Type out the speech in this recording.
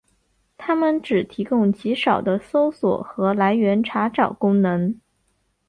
它们只提供极少的搜索和来源查找功能。